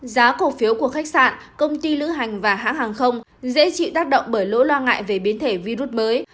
giá cổ phiếu của khách sạn công ty lữ hành và hãng hàng không dễ chịu tác động bởi lỗi lo ngại về biến thể virus mới